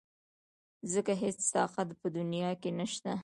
ځکه هېڅ طاقت په دنيا کې نشته .